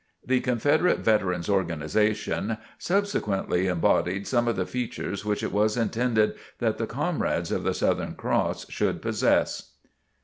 The Confederate Veterans' Organization subsequently embodied some of the features which it was intended that the Comrades of the Southern Cross should possess.